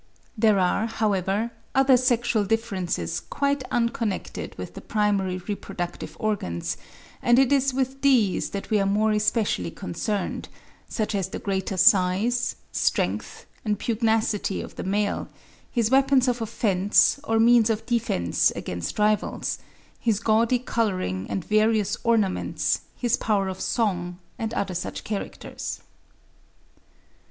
There are, however, other sexual differences quite unconnected with the primary reproductive organs, and it is with these that we are more especially concerned—such as the greater size, strength, and pugnacity of the male, his weapons of offence or means of defence against rivals, his gaudy colouring and various ornaments, his power of song, and other such characters.